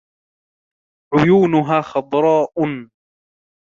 عيونها خضراء.